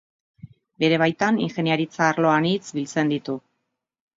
Bere baitan ingeniaritza arlo anitz biltzen ditu.